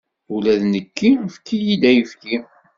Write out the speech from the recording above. Ula d nekki efk-iyi-d ayefki.